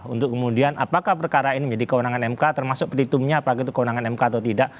untuk kemudian apakah perkara ini menjadi kewenangan mk termasuk pelitumnya apakah itu kewenangan mk atau tidak